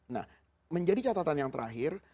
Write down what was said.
nah menjadi catatan yang terakhir